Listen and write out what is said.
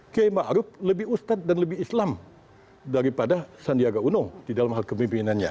kayaknya ma'ruf lebih ustadz dan lebih islam daripada sandiaga uno di dalam hal kepimpinannya